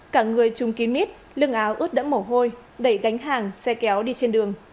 cả người chung kín mít lưng áo ướt đẫm mổ hôi đẩy gánh hàng xe kéo đi trên đường